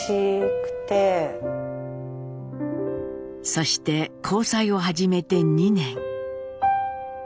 そして交際を始めて２年。